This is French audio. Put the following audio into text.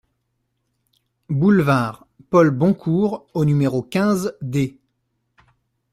Boulevard Paul Boncour au numéro quinze D